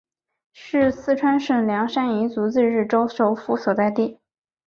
是四川省凉山彝族自治州首府所在地。